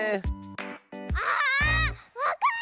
ああっわかった！